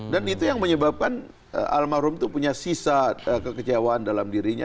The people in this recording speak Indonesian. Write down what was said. dan itu yang menyebabkan almarhum itu punya sisa kekecewaan dalam dirinya